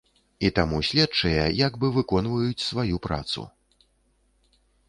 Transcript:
І таму следчыя як бы выконваюць сваю працу.